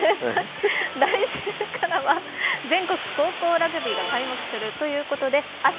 来週からは全国高校ラグビーが開幕するということで明日